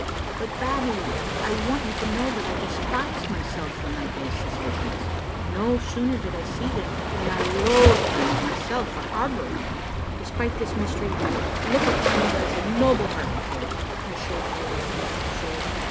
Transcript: " But, Babbie, I want you to know that I despise my self for my base suspicions. No sooner did I see them than I loathed them and myself for harbouring them. Despite this mystery, I look upon you as a noble hearted girl. I shall always think of you so."